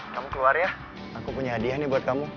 kamu keluar ya aku punya hadiah nih buat kamu